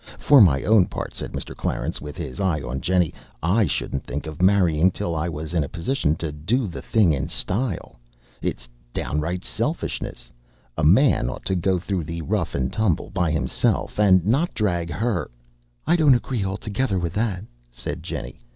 For my own part," said Mr. Clarence, with his eye on Jennie, "I shouldn't think of marrying till I was in a position to do the thing in style. It's downright selfishness. A man ought to go through the rough and tumble by himself, and not drag her " "I don't agree altogether with that," said Jennie.